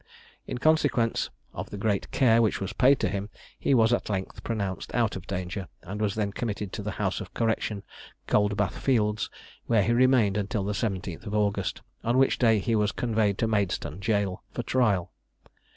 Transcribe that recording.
In consequence of the great care which was paid to him, he was at length pronounced out of danger, and was then committed to the house of correction, Coldbath fields, where he remained until the 17th of August, on which day he was conveyed to Maidstone jail for trial.